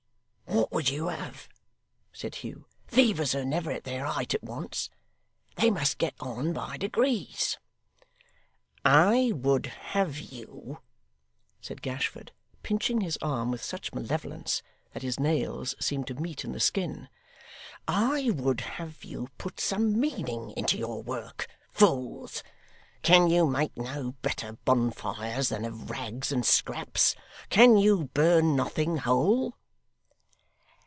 'What would you have?' said Hugh. 'Fevers are never at their height at once. They must get on by degrees.' 'I would have you,' said Gashford, pinching his arm with such malevolence that his nails seemed to meet in the skin; 'I would have you put some meaning into your work. Fools! Can you make no better bonfires than of rags and scraps? Can you burn nothing whole?